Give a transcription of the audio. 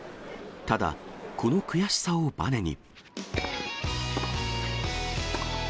ただ、この悔しさをばねに。